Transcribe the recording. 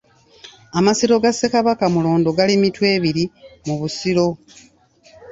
Amasiro ga Ssekabaka Mulondo gali Mitwebiri mu Busiro.